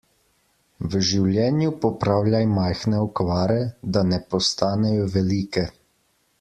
V življenju popravljaj majhne okvare, da ne postanejo velike.